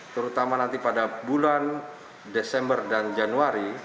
terutama nanti pada bulan desember dan januari